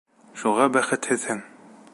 Шуға бәхетһеҙһең.